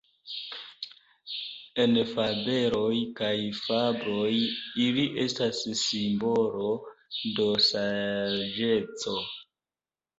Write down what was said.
En fabeloj kaj fabloj ili estas simbolo de saĝeco.